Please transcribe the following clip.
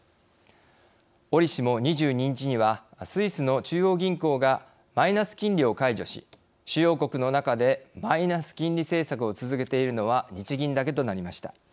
折しも２２日にはスイスの中央銀行がマイナス金利を解除し主要国の中でマイナス金利政策を続けているのは日銀だけとなりました。